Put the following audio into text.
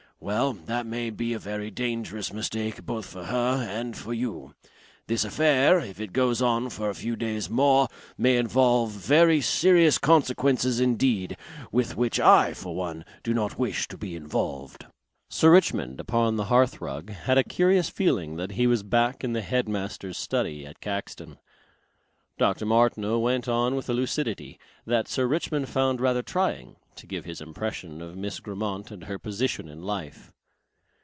Well, that may be a very dangerous mistake both for her and for you.... This affair, if it goes on for a few days more, may involve very serious consequences indeed, with which I, for one, do not wish to be involved." Sir Richmond, upon the hearthrug, had a curious feeling that he was back in the head master's study at Caxton. Dr. Martineau went on with a lucidity that Sir Richmond found rather trying, to give his impression of Miss Grammont and her position in life.